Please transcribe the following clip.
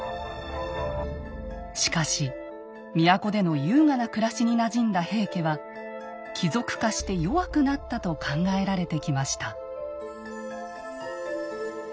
しかし都での優雅な暮らしになじんだ平家は貴族化して弱くなったと考えられてきました。